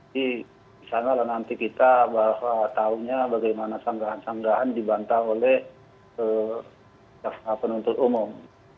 jadi disanalah nanti kita bahwa tahunya bagaimana sangkahan sangkahan dibantah oleh penuntut umum